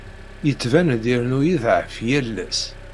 Yettban-d irennu iḍeεεef yal ass.